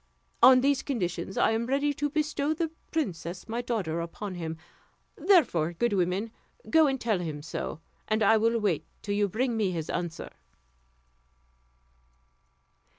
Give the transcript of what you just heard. On these conditions I am ready to bestow the princess my daughter upon him; therefore, good woman, go and tell him so, and I will wait till you bring me his answer."